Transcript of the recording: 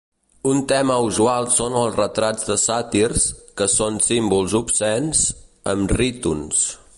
Un tema usual són els retrats de sàtirs, que són símbols obscens, amb rítons.